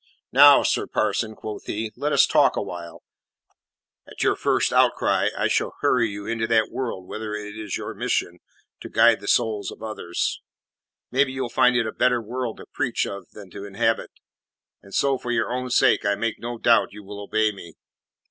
"Now, sir parson," quoth he, "let us talk a while. At your first outcry I shall hurry you into that future world whither it is your mission to guide the souls of others. Maybe you'll find it a better world to preach of than to inhabit, and so, for your own sake, I make no doubt you will obey me.